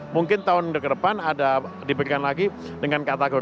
mungkin tahun depan ada diberikan lagi dengan kategori